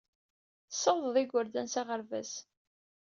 Tessawaḍed igerdan s aɣerbaz.